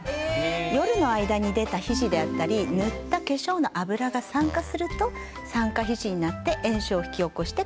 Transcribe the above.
夜の間に出た皮脂や塗った化粧の脂が酸化すると酸化皮脂になって炎症を引き起こします。